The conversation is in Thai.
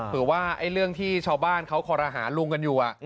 หรือว่าเรื่องที่ชาวบ้านเขาคอรหาลุงกันอยู่